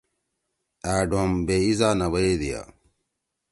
أ ڈوم بے ایزا نہ بیدییا۔